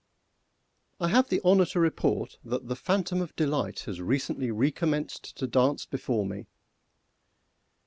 _ I have the honour to report that the phantom of delight has recently recommenced to dance before me.